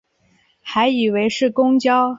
还以为是公车